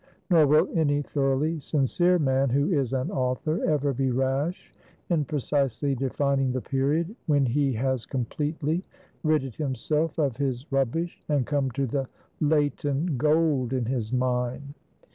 Nor will any thoroughly sincere man, who is an author, ever be rash in precisely defining the period, when he has completely ridded himself of his rubbish, and come to the latent gold in his mine.